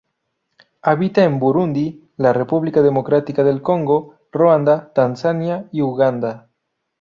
Habita en Burundi, la República Democrática del Congo, Ruanda, Tanzania y Uganda.